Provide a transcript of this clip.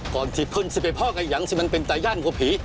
ก่อนที่พึ่งจะไปพอกไอ้อย่างที่มันเป็นใต้ญาติกว่าผี